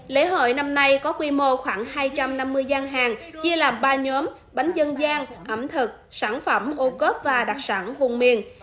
lễ hội năm nay có quy mô khoảng hai trăm năm mươi gian hàng chia làm ba nhóm bánh dân gian ẩm thực sản phẩm ô cớp và đặc sản hùng miền